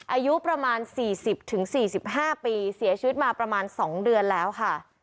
อายุประมาณสี่สิบถึงสี่สิบห้าปีเสียชีวิตมาประมาณสองเดือนแล้วค่ะ